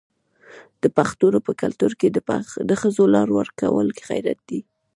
د پښتنو په کلتور کې د ښځو لار ورکول غیرت دی.